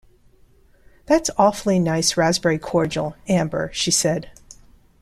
“That’s awfully nice raspberry cordial, Amber,” she said.